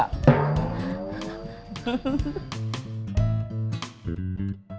kan kamu jadi anak ibu juga